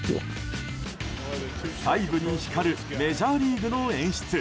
細部に光るメジャーリーグの演出。